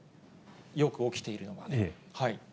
よく起きているのが。